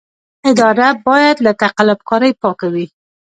اداره باید له تقلب کارۍ پاکه وي.